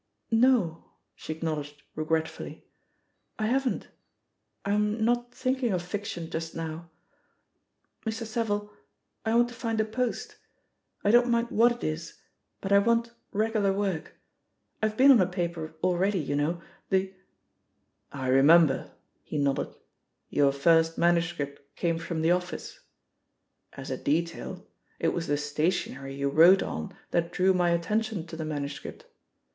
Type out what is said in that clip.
'* "No,'' she acknowledged regretfully, "I haven't — I'm not thinking of fiction just now. .•. Mr. Savile, I want to find a post — I don't mind what it is — ^but I want regular work. I've been on a paper already, you know, the '* "I remember," he nodded; "your first manu script came from the office. As a detail, it was the stationery you wrote on that drew my atten tion to the manuscript.